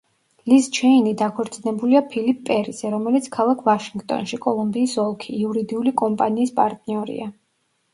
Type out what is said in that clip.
ლიზ ჩეინი დაქორწინებულია ფილიპ პერიზე, რომელიც ქალაქ ვაშინგტონში, კოლუმბიის ოლქი, იურიდიული კომპანიის პარტნიორია.